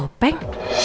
kok pake topeng